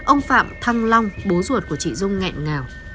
ông phạm thăng long bố ruột của chị dung nghẹn ngào